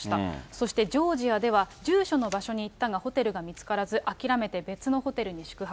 そしてジョージアでは、住所の場所に行ったがホテルが見つからず、諦めて別のホテルに宿泊。